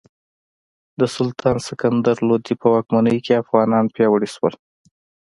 د سلطان سکندر لودي په واکمنۍ کې افغانان پیاوړي شول.